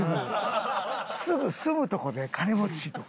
すぐ住むとこで「金持ち」とか。